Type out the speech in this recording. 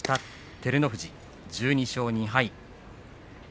照ノ富士、１２勝２敗。